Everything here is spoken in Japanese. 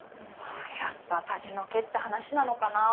やっぱ立ち退けって話なのかなあ